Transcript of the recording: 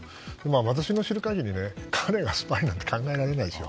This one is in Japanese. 私の知る限り、彼がスパイなんて考えられないですよ。